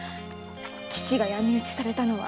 父が闇討ちされたのは。